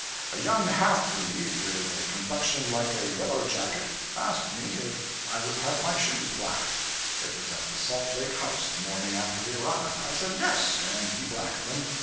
A young half breed with a complexion like a yellow jacket asked me if I would have my boots blacked. It was at the Salt Lake House the morning after we arrived. I said yes, and he blacked them.